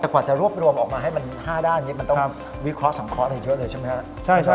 แต่กว่าจะรวบรวมออกมาให้มัน๕ด้านนี้มันต้องวิเคราะห์สังเคราะห์อะไรเยอะเลยใช่ไหมครับ